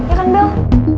ya kan bel